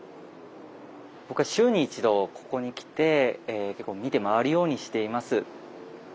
僕は週に１度ここに来て見て回るようにしています。